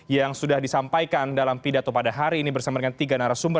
yang sudah disampaikan dalam pidato pada hari ini bersama dengan tiga narasumber